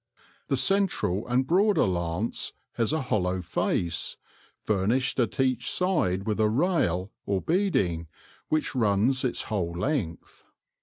The central and broader lance has a hollow face, furnished at each side with a rail, or beading, which runs its whole length.